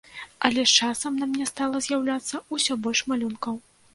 Але з часам на мне стала з'яўляцца ўсё больш малюнкаў.